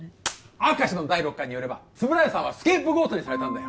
明石の第六感によれば円谷さんはスケープゴートにされたんだよ